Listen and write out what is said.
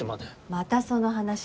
またその話？